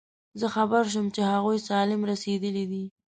زه خبر شوم چې هغوی سالم رسېدلي دي.